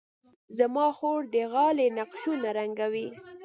زما خور د غالۍ نقشونه رنګوي.